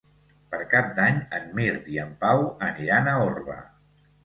Per Cap d'Any en Mirt i en Pau aniran a Orba.